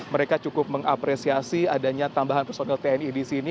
mereka cukup mengapresiasi adanya tambahan personil tni di sini